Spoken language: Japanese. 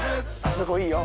そこいいよ！